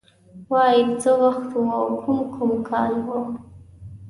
وای څه وخت و او کوم کوم کال و